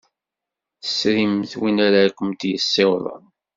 Tesrimt win ara kemt-yessiwḍen?